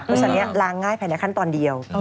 เพราะฉะนั้นล้างง่ายแผ่นในขั้นตอนเดียว